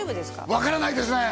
分からないですね